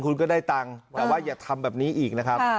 คุณก็ได้ตังค์แต่ว่าอย่าทำแบบนี้อีกนะครับ